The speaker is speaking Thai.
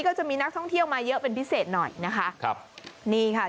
ก็จะมีนักท่องเที่ยวมาเยอะเป็นพิเศษหน่อยนะคะครับนี่ค่ะ